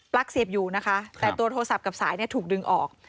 เสียบอยู่นะคะแต่ตัวโทรศัพท์กับสายเนี่ยถูกดึงออก